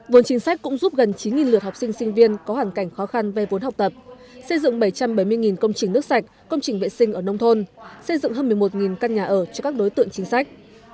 vốn chính sách cũng giúp gần chín lượt học sinh sinh viên có hoàn cảnh khó khăn vay vốn học tập xây dựng bảy trăm bảy mươi công trình nước sạch công trình vệ sinh ở nông thôn xây dựng hơn một mươi một căn nhà ở cho các đối tượng chính sách